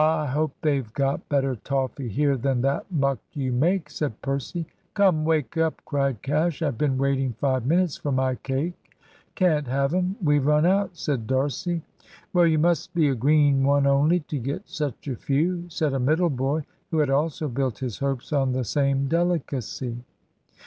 I hope they've got better toffee here than that muck you make," said Percy. "Come, wake up!" cried Cash. "I've been waiting five minutes for my cake." "Can't have 'em; we've run out," said D'Arcy. "Well, you must be a green one only to get such a few," said a middle boy, who had also built his hopes on the same delicacy.